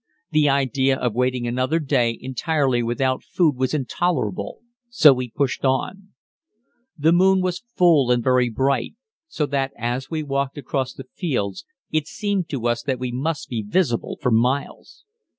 The idea of waiting another day entirely without food was intolerable, so we pushed on. The moon was full and very bright, so that, as we walked across the fields it seemed to us that we must be visible for miles.